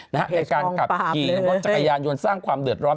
ในการขับขี่รถจักรยานยนต์สร้างความเดือดร้อน